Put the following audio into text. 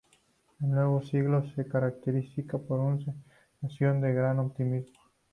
El nuevo siglo se caracteriza por una sensación de gran optimismo.